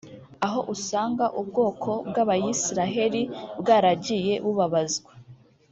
aho usanga ubwoko bw’Abayisiraheri bwaragiye bubabazwa